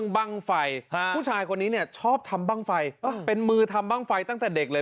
บ้างไฟผู้ชายคนนี้เนี่ยชอบทำบ้างไฟเป็นมือทำบ้างไฟตั้งแต่เด็กเลย